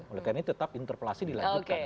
oleh karena tetap interpelasi dilanjutkan